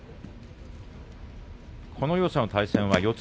この両者の対戦は四つ